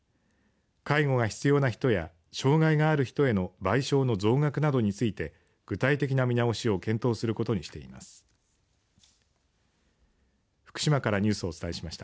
介護が必要な人や障害がある人への賠償の増額などについて具体的な見直しを検討することにしています。